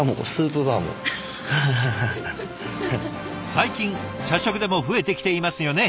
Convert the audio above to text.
最近社食でも増えてきていますよね